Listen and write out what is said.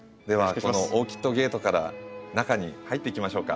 この「オーキッド・ゲート」から中に入っていきましょうか。